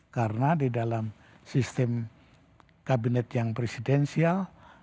karena di dalam sistem kabinet yang presidensial